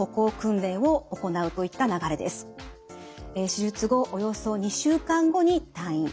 手術後およそ２週間後に退院。